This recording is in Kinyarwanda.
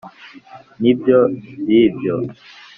ni byo by’ibyo.